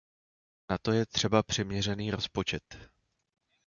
Na to je třeba přiměřený rozpočet.